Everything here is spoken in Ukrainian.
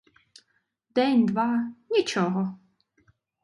День, два — нічого.